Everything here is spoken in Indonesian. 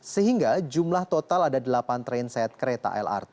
sehingga jumlah total ada delapan train set kereta lrt